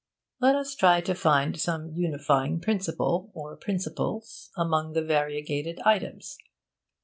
Let us try to find some unifying principle, or principles, among the variegated items.